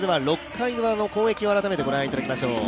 ６回ウラの攻撃を改めてご覧いただきましょう。